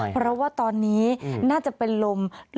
เพราะว่าตอนนี้น่าจะเป็นลม